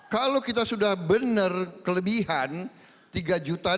kalau kita sudah benar kelebihan tiga juta